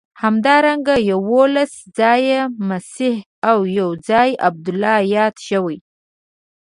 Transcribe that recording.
همدارنګه یوولس ځایه مسیح او یو ځای عبدالله یاد شوی.